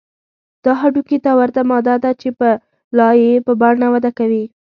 دا هډوکي ته ورته ماده ده چې په لایې په بڼه وده کوي